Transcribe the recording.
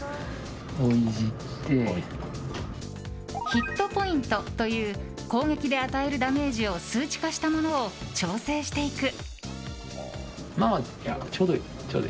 ヒットポイントという攻撃で与えるダメージを数値化したものを調整していく。